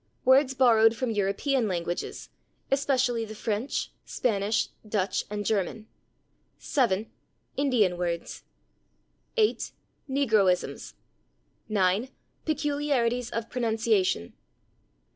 Words borrowed from European languages, especially the French, Spanish, Dutch and German. 7. Indian words. 8. Negroisms. 9. Peculiarities of pronunciation.